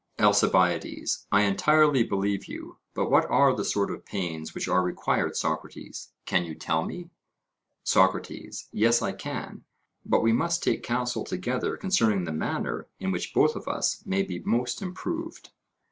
ALCIBIADES: I entirely believe you; but what are the sort of pains which are required, Socrates, can you tell me? SOCRATES: Yes, I can; but we must take counsel together concerning the manner in which both of us may be most improved.